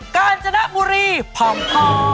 กัญจบุรีพอมพอ